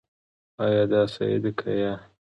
آیا د لبنیاتو شرکتونه فعال دي؟